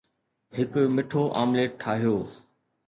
هڪ مٺو آمليٽ ٺاهيو